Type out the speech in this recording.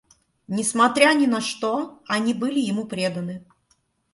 Несмотря ни на что, они были ему преданы.